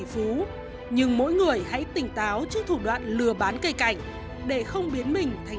phú nhưng mỗi người hãy tỉnh táo trước thủ đoạn lừa bán cây cảnh để không biến mình thành